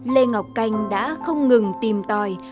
lê ngọc canh đã không ngừng tìm tòi